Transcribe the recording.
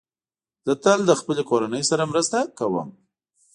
زه تل له خپلې کورنۍ سره مرسته کوم.